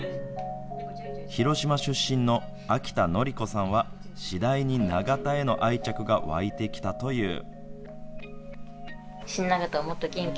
広島出身の秋田乃梨子さんは、次第に長田への愛着が湧いてきたという。